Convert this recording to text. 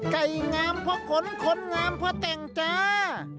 ไก่งามเพราะขนขนงามเพราะแต่งจ้า